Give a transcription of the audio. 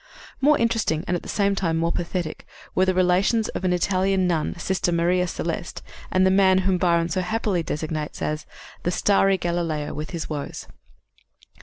" More interesting, and at the same time more pathetic, were the relations of an Italian nun, Sister Maria Celeste, and the man whom Byron so happily designates as "The starry Galileo, with his woes."